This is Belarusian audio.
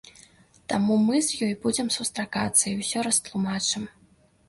Таму мы з ёй будзем сустракацца і ўсё растлумачым.